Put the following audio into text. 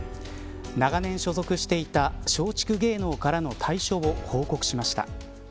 長年所属していた松竹芸能からの退所を報告しました。